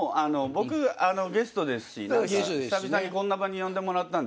僕ゲストですし久々にこんな場に呼んでもらったんで。